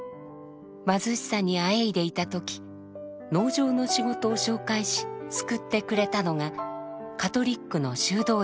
貧しさにあえいでいた時農場の仕事を紹介し救ってくれたのがカトリックの修道院でした。